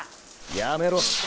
やめろ！